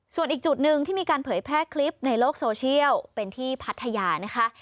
ส่วนอีกจุดหนึ่งที่มีการเผยแพร่คลิปในโลกโซเชียลเป็นที่พัทยานะคะ